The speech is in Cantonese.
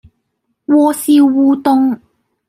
鍋燒烏冬